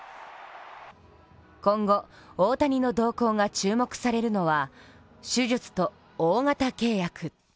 今後、大谷の動向が注目されるのは手術と大型契約。